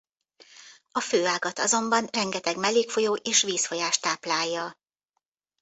A főágat azonban rengeteg mellékfolyó és vízfolyás táplálja.